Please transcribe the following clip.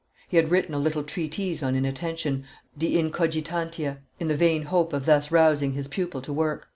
He had written a little treatise on inattention, De Incogitantia, in the vain hope of thus rousing his pupil to work.